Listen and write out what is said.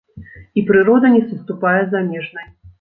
І прырода не саступае замежнай.